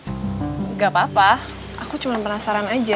tidak apa apa aku cuma penasaran aja